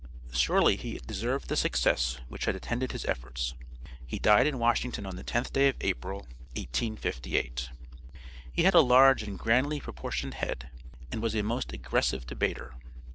Surely he deserved the success which had attended his efforts. He died in Washington on the 10th day of April, 1858. He had a large and grandly proportioned head, and was a most aggressive debater.